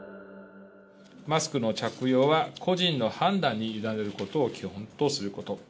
マスクの着用は、個人の判断に委ねることを基本とすること。